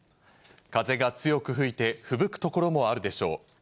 風が強く吹いて、ふぶく所もあるでしょう。